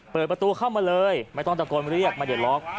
เปิดประตูเข้ามาเลยไม่ต้องตะโกนเรียกไม่ได้ล็อก